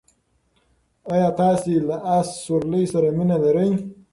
ایا تاسې له اس سورلۍ سره مینه لرئ؟